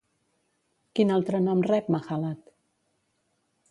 Quin altre nom rep, Mahalat?